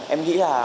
em nghĩ là